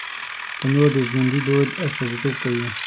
تنور د ژوندي دود استازیتوب کوي